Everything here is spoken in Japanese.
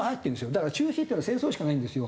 だから中止っていうのは戦争しかないんですよ。